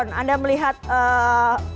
bagaimana anda melihat suasananya